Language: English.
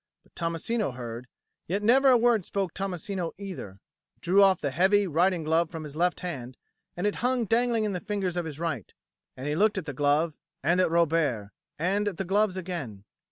But Tommasino heard; yet never a word spoke Tommasino either, but he drew off the heavy riding glove from his left hand, and it hung dangling in the fingers of his right, and he looked at the glove and at Robert and at the glove again.